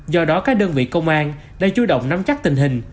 do đó các đơn vị công an đã chú động nắm chắc tình hình